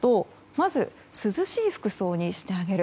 まず、涼しい服装にしてあげる。